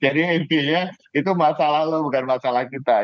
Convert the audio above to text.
jadi intinya itu masalah lo bukan masalah kita